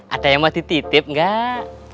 ada yang mau dititip enggak